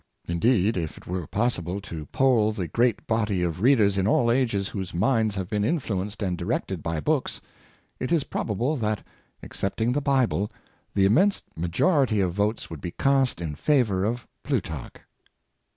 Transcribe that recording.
Indeed, if it were possible to poll the great body of readers in all ages whose minds have been influenced and directed by books, it is prob able that — excepting the Bible — the immense majority of votes would be cast in favor of Plutarch.